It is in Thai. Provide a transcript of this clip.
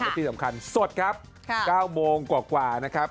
และที่สำคัญสดครับ๙โมงกว่านะครับ